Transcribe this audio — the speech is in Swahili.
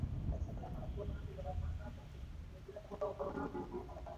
ule umoja wa vyama vya wafanyikazi uliokuwepo ukiwakutanisha vyama vinane